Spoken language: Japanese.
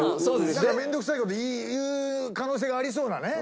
なんか面倒くさい事言う可能性がありそうなね。